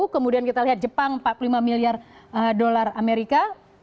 kemudian kita lihat jepang empat puluh lima miliar dolar amerika